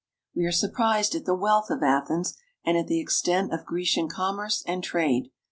We are surprised at the wealth of Athens and at the extent of Grecian commerce and trade.